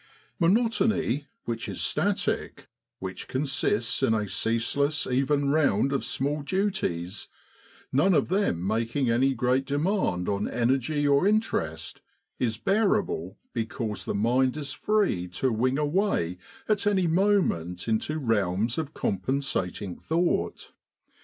Monotony which is static, which consists in a ceaseless even round of small duties, none of them making any great demand on energy or interest, is bearable because the mind is free to wing away at 232 Military General Hospitals in Egypt any moment into realms of compensating thought.